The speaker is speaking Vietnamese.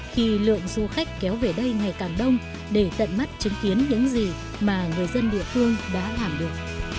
khi lượng du khách kéo về đây ngày càng đông để tận mắt chứng kiến những gì mà người dân địa phương đã làm được